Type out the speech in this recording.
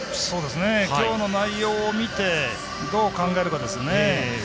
きょうの内容を見てどう考えるかですね。